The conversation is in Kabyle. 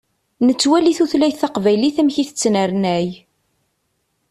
Nettwali tutlayt taqbaylit amek i tettnernay.